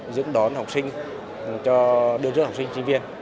giữ đón học sinh cho đưa rước học sinh sinh viên